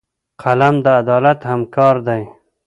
قلم د عدالت همکار دی